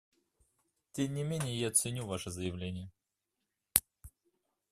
Тем не менее я ценю ваше заявление.